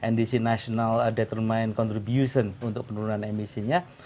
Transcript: ndc national determind contribution untuk penurunan emisinya